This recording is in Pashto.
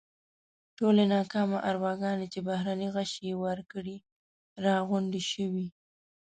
ټولې ناکامه ارواګانې چې بهرني غشي یې وار کړي راغونډې شوې.